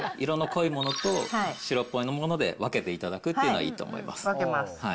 色の濃いものと白っぽいもので分けていただくっていうのがい分けます。